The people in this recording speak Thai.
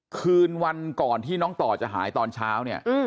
คืนวันก่อนที่น้องต่อจะหายตอนเช้าเนี่ย